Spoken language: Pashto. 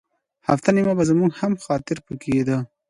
هفته نیمه به زموږ هم خاطر په کې کېده.